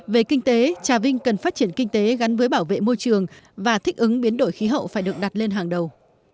về kinh tế trà vinh cần phát triển kinh tế gắn với bảo vệ môi trường và thích ứng biến đổi khí hậu phải được đặt lên hàng đầu